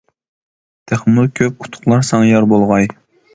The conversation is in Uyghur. تېخىمۇ كۆپ ئۇتۇقلار ساڭا يار بولغاي.